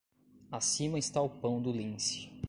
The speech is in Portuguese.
Acima está o pão do lince.